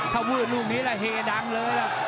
ถ้าวืดรูปนี้ล่ะเฮดังเลยล่ะ